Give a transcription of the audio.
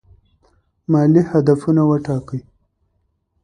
مالي هدفونه وټاکئ.